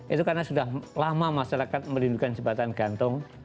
itu karena sudah lama masyarakat merindukan jembatan gantung